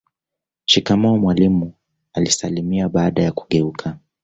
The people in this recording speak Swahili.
Shikamoo mwalimu alisalimia baada ya kugeuka